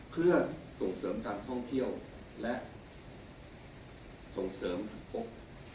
เพื่อส่งเสริมการท่องเที่ยวและส่งเสริมปก